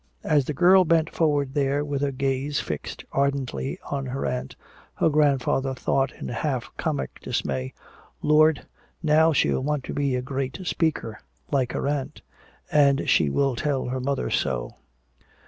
_" As the girl bent forward there with her gaze fixed ardently on her aunt, her grandfather thought in half comic dismay, "Lord, now she'll want to be a great speaker like her aunt. And she will tell her mother so!"